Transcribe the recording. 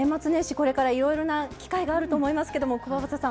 これからいろいろな機会があると思いますけどもくわばたさん